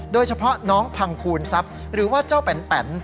โดยเฉพาะน้องพังคูณทรัพย์หรือว่าเจ้าแปน